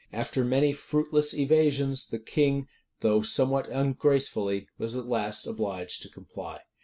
After many fruitless evasions, the king, though somewhat ungracefully, was at last obliged to comply.